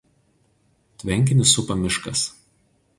Tvenkinį supa miškas.